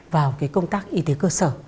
vào cái công tác y tế cơ sở